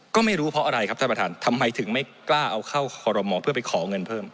ก็ไม่รู้เพราะอะไรครับท่านประธานทำไมถึงไม่กล้าเอาเข้าคอรมอเพื่อไปขอเงินเพิ่ม